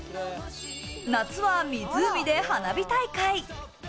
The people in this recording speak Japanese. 夏は湖で花火大会。